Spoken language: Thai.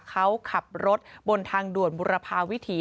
เขาขับรถบนทางด่วนบุรพาวิถี